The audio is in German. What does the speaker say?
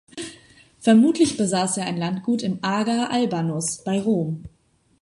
Vermutlich besaß er ein Landgut im "ager Albanus" bei Rom.